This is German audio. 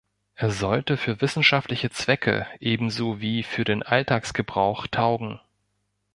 Er sollte für wissenschaftliche Zwecke ebenso wie für den Alltagsgebrauch taugen.